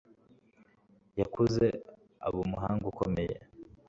Yakuze aba umuhanga ukomeye